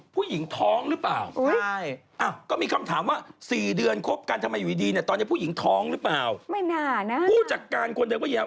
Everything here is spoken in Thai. ไปถามว่าสรุปผู้หญิงท้องหรือเปล่าอุ๊ย